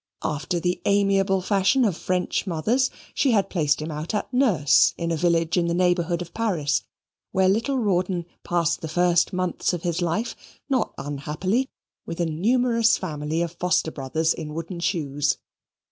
After the amiable fashion of French mothers, she had placed him out at nurse in a village in the neighbourhood of Paris, where little Rawdon passed the first months of his life, not unhappily, with a numerous family of foster brothers in wooden shoes.